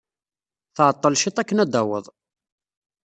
Tɛeḍḍel cwiṭ akken ad d-taweḍ.